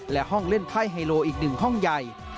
และห้องเล่นไพ่ไฮโลอีก๑ห้องใหญ่